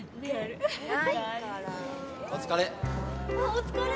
・・お疲れ。